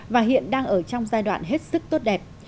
và hiện đang ở trong giai đoạn hết sức tốt đẹp